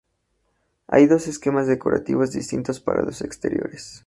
Hay dos esquemas decorativos distintos para los exteriores.